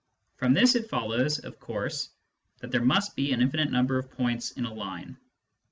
From this it follows, of course, that there must be an infinite number of points in a line.